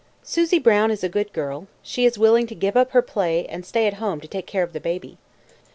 Susy Brown is a good girl; she is willing to give up her play, and stay at home to take care of the baby.